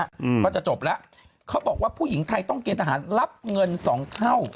อืมก็จะจบแล้วเขาบอกว่าผู้หญิงไทยต้องเกณฑหารรับเงินสองเท่า